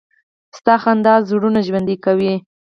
• ستا موسکا زړونه ژوندي کوي.